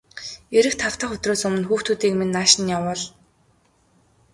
Ирэх тав дахь өдрөөс өмнө хүүхдүүдийг минь нааш нь явуул.